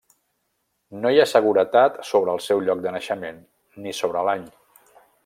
No hi ha seguretat sobre el seu lloc de naixement, ni sobre l'any.